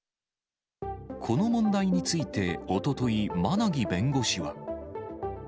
この問題について、おととい、馬奈木弁護士は。